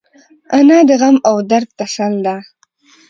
انا د غم او درد تسل ده